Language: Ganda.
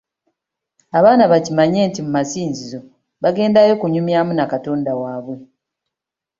Abaana bakimanye nti mu masinzizo bagendayo kunyumyamu na Katonda waabwe.